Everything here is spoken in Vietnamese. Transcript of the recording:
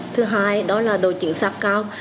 thứ hai là đồ chính xác cao